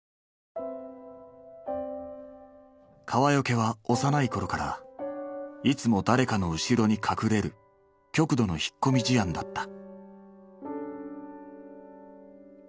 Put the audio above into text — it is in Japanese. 川除は幼い頃からいつも誰かの後ろに隠れる極度の引っ込み思案だった。